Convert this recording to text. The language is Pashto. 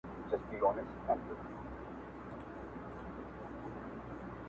ټولو عقلي و تجربي